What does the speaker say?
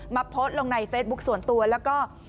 โพสต์ลงในเฟซบุ๊คส่วนตัวแล้วก็